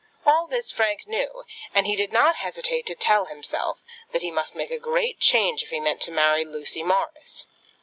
All this Frank knew, and he did not hesitate to tell himself, that he must make a great change if he meant to marry Lucy Morris.